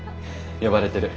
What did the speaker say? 呼ばれてる。